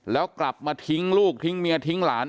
แล้วกลับมาทิ้งลูกทิ้งเมียทิ้งหลาน